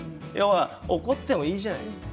怒ってもいいじゃない。